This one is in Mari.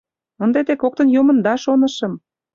Ынде те коктын йомында, шонышым.